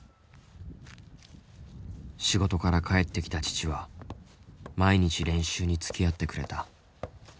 仕事から帰ってきた父は毎日練習につきあってくれた。